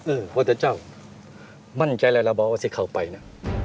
เออพระเจ้ามั่นใจอะไรแล้วบ้าวว่าสิเขามาไปน่ะ